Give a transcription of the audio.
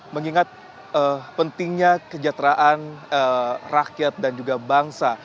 mengingat pentingnya kesejahteraan rakyat dan juga bangsa